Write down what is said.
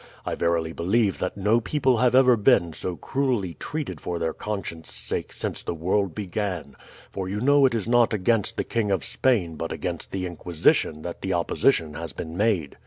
I verily believe that no people have ever been so cruelly treated for their conscience' sake since the world began; for you know it is not against the King of Spain but against the Inquisition that the opposition has been made.